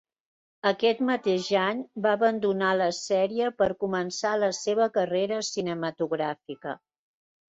Aquest mateix any va abandonar la sèrie per començar la seva carrera cinematogràfica.